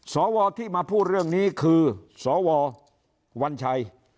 สวที่มาพูดเรื่องนี้คือสววัญชัย